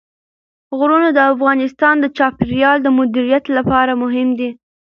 غرونه د افغانستان د چاپیریال د مدیریت لپاره مهم دي.